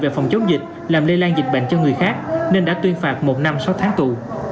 về phòng chống dịch làm lây lan dịch bệnh cho người khác nên đã tuyên phạt một năm sáu tháng tù